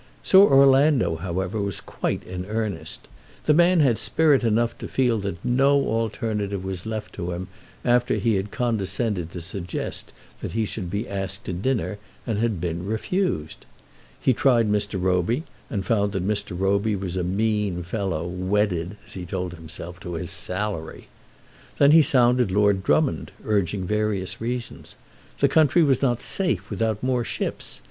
Sir Orlando, however, was quite in earnest. The man had spirit enough to feel that no alternative was left to him after he had condescended to suggest that he should be asked to dinner and had been refused. He tried Mr. Roby, and found that Mr. Roby was a mean fellow, wedded, as he told himself, to his salary. Then he sounded Lord Drummond, urging various reasons. The country was not safe without more ships.